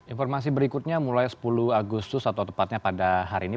informasi berikutnya mulai sepuluh agustus atau tepatnya pada hari ini